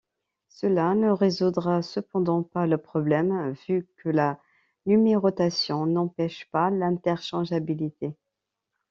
Cela ne résoudra cependant pas le problème, vu que la numérotation n'empêche pas l'interchangeabilité.